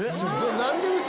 何でうち？